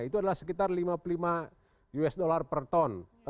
itu adalah sekitar lima puluh lima usd per ton